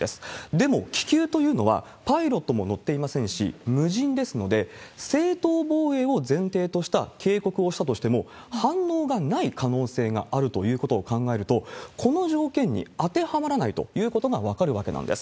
でも、気球というのは、パイロットも乗っていませんし、無人ですので、正当防衛を前提とした警告をしたとしても、反応がない可能性があるということを考えると、この条件に当てはまらないということが分かるわけなんです。